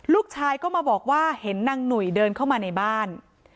ลูกชายก็มาบอกว่าเห็นนางหนุ่ยเดินเข้ามาในบ้าน